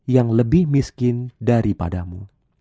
yang lebih miskin daripadamu